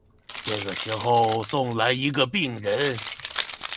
這個時候送來一個病人